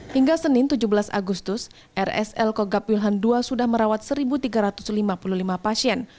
hingga senin tujuh belas agustus rsl kogab wilhan ii sudah merawat satu tiga ratus lima puluh lima pasien